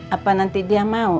apa nanti dia mau